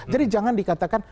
jadi jangan dikatakan